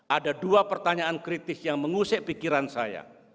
ada dua pertanyaan kritis yang mengusik pikiran saya